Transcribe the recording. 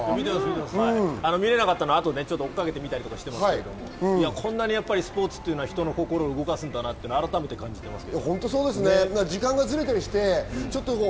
見れなかったのはあとで追っかけて見たりしてますけど、こんなにスポーツって人の心を動かすんだなって改めて感じました。